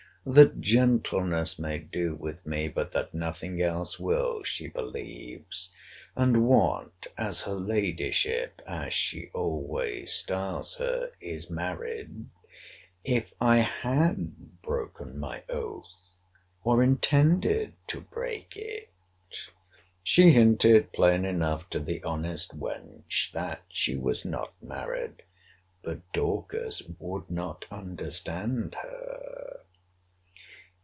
That gentleness may do with me; but that nothing else will, she believes. And what, as her ladyship (as she always styles her,) is married, if I had broken my oath, or intended to break it!— She hinted plain enough to the honest wench, that she was not married. But Dorcas would not understand her.